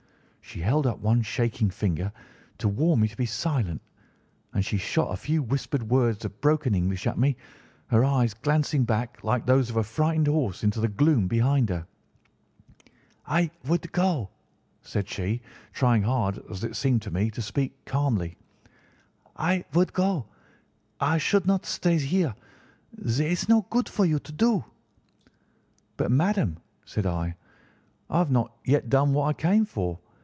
She held up one shaking finger to warn me to be silent, and she shot a few whispered words of broken English at me, her eyes glancing back, like those of a frightened horse, into the gloom behind her. "'I would go,' said she, trying hard, as it seemed to me, to speak calmly; 'I would go. I should not stay here. There is no good for you to do.' "'But, madam,' said I, 'I have not yet done what I came for.